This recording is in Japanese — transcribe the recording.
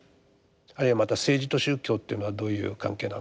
あるいはまた政治と宗教というのはどういう関係なのかと。